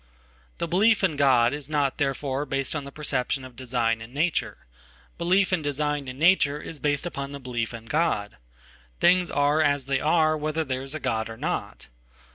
The belief in God is not therefore based on the perception ofdesign in nature. Belief in design in nature is based upon thebelief in God. Things are as they are whether there is a God ornot.